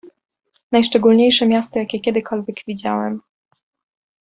"Najszczególniejsze miasto, jakie kiedykolwiek widziałem!"